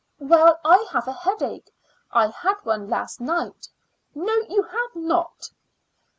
"Well, I have a headache. I had one last night." "No, you had not."